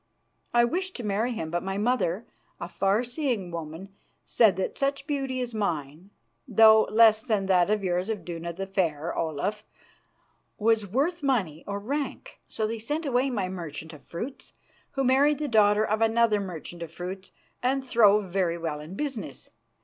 I wished to marry him, but my mother, a far seeing woman, said that such beauty as mine though less than that of your Iduna the Fair, Olaf was worth money or rank. So they sent away my merchant of fruits, who married the daughter of another merchant of fruits and throve very well in business.